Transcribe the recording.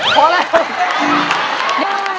เผาแล้ว